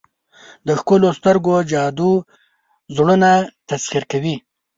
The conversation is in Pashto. د ښکلو سترګو جادو زړونه تسخیر کوي.